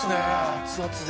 熱々で。